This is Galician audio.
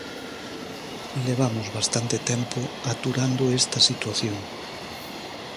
Levamos bastante tempo aturando esta situación.